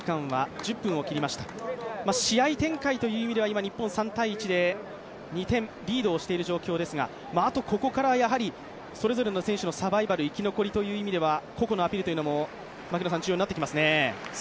試合展開という意味では日本、３−１で２点リードをしている状況ですが、あとここからそれぞれの選手のサバイバル、生き残りという意味では個々のアピールも重要になってきますね。